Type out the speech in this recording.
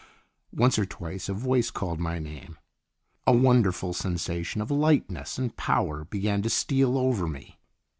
Once or twice a voice called my name. A wonderful sensation of lightness and power began to steal over me.